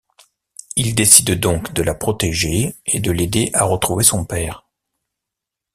Ils décident donc de la protéger et de l'aider à retrouver son père.